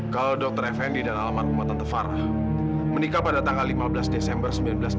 kalau dokter effendi dan alamat kumatan tevara menikah pada tanggal lima belas desember seribu sembilan ratus sembilan puluh